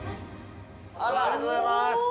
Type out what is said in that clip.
ありがとうございます。